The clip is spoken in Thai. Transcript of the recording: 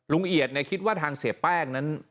ลุงเอียดเนี่ยคิดว่าทางเสพแป้งนั้น